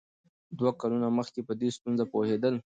دوی کلونه مخکې په دې ستونزه پوهېدل.